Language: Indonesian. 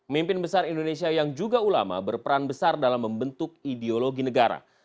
mimpin besar indonesia yang juga ulama berperan besar dalam membentuk ideologi negara